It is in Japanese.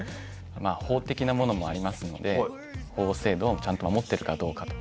まあ法的なものもありますので法制度もちゃんと守ってるかどうかとか。